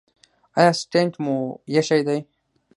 ایا سټنټ مو ایښی دی؟